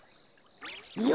よし！